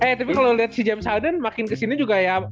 eh tapi kalo liat si james harden makin kesini juga ya